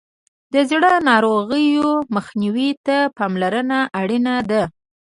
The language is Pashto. د زړه ناروغیو مخنیوي ته پاملرنه اړینه ده.